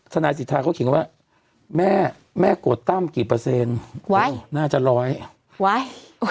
นายสิทธาเขาเขียนว่าแม่แม่โกรธตั้มกี่เปอร์เซ็นต์ไว้น่าจะร้อยไว้